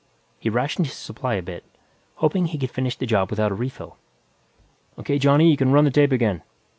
He rationed his supply a bit, hoping he could finish the job without a refill. "O.K., Johnny, you can run the tape again.